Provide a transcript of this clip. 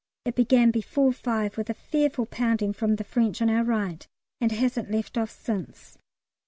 It began before 5 with a fearful pounding from the French on our right, and hasn't left off since.